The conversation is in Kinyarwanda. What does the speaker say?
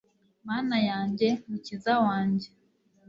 mana yanjye, mukiza wanjye